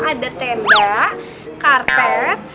ada tenda karpet